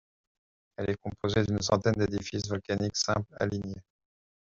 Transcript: Elle est composée d'une centaine d'édifices volcaniques simples, alignés.